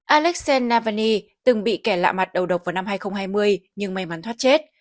alexan navani từng bị kẻ lạ mặt đầu độc vào năm hai nghìn hai mươi nhưng may mắn thoát chết